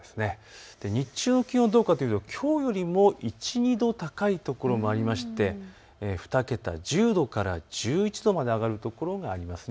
日中の気温はどうかというときょうよりも１、２度高いところがあって２桁、１０度から１１度まで上がる所があります。